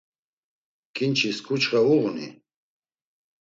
Ǩinçis ǩuçxe uğuni?